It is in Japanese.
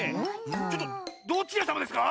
ちょっとどちらさまですか？